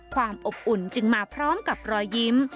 ความอบอุ่นจึงมาพร้อมกับรอยยิ้ม